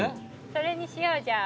それにしようじゃあ。